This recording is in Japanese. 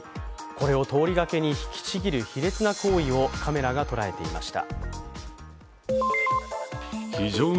これを通りがけに引きちぎる卑劣な行為をカメラが捉えていました。